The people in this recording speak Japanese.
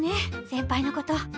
先輩のこと。